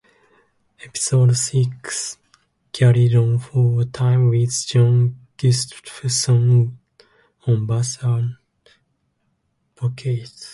Episode Six carried on for a time with John Gustafson on bass and vocals.